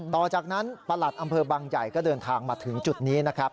ต่อจากนั้นประหลัดอำเภอบางใหญ่ก็เดินทางมาถึงจุดนี้นะครับ